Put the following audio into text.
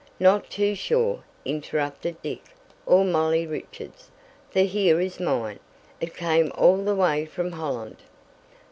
"Not too sure," interrupted Dick, or Molly Richards. "For here is mine it came all the way from Holland!"